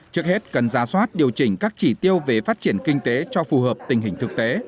trước hết cần ra soát điều chỉnh các chỉ tiêu về phát triển kinh tế cho phù hợp tình hình thực tế